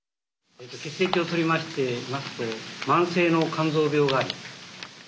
血液を採りまして見ますと慢性の肝臓病があり。